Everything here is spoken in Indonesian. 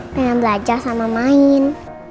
pengen belajar sama main